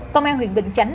công an huyện bình chánh